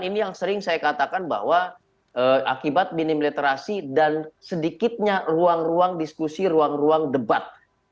dan ini yang sering saya katakan bahwa akibat minim literasi dan sedikitnya ruang ruang diskusi ruang ruang debat